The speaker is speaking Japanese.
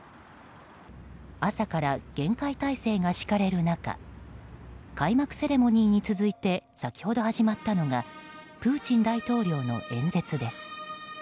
朝から厳戒態勢が敷かれる中開幕セレモニーに続いて先ほど始まったのがプーチン大統領の演説です。